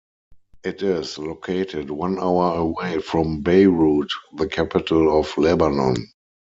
It is located one hour away from Beirut, the capital of Lebanon.